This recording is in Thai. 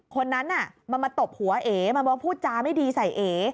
คนนั้นมาตบหัวเอ๋มาบอกว่าพูดจ้าไม่ดีใส่เอ๋